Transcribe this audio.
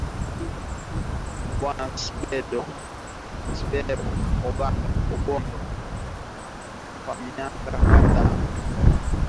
Bwana Ssebbo Ogongo, raia wa Uganda, ambaye amekuwa akiishi katika mji mkuu wa Kenya, Nairobi, kwa miaka kadhaa